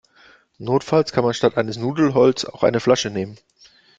Notfalls kann man statt eines Nudelholzes auch eine Flasche nehmen.